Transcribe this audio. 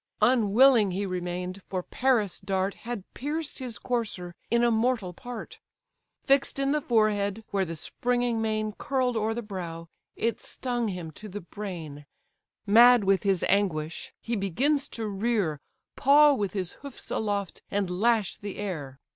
Unwilling he remain'd, for Paris' dart Had pierced his courser in a mortal part; Fix'd in the forehead, where the springing mane Curl'd o'er the brow, it stung him to the brain; Mad with his anguish, he begins to rear, Paw with his hoofs aloft, and lash the air.